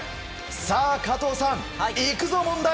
さあ、加藤さん行くぞ、問題！